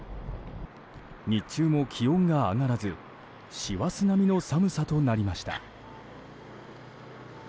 日中も気温が上がらず師走並みの寒さとなりました。